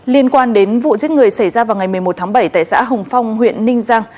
liên quan đến vụ giết người xảy ra vào ngày một mươi một tháng bảy tại xã hồng phong huyện ninh giang